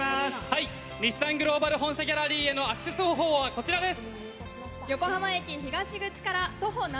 日産グローバル本社ギャラリーへのアクセス方法はこちらです。